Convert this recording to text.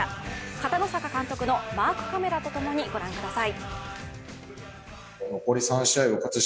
片野坂監督のマークカメラともに御覧ください。